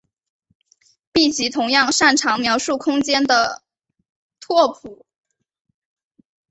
闭集同样擅长描述空间的拓扑。